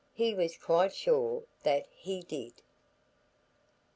He was quite sure that he did.